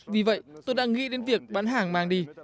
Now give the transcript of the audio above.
vì vậy tôi đang nghĩ đến việc bán hàng mang đi